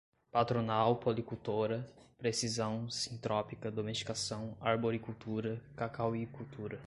patronal, policultora, precisão, sintrópica, domesticação, arboricultura, cacauicultura